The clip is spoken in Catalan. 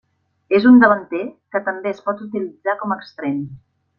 És un davanter que també es pot utilitzar com a extrem.